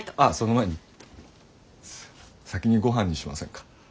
あっその前に先にごはんにしませんか。